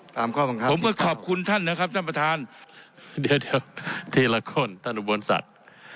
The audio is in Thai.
ข้อบังคับผมก็ขอบคุณท่านนะครับท่านประธานเดี๋ยวเดี๋ยวทีละคนท่านอุบลสัตว์